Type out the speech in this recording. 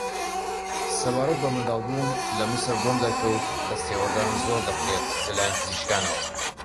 سەبارەت بە منداڵبوون لە میسر بۆم دەرکەوت دەستێوەردان زۆر دەکرێ لە لایەن پزیشکانەوە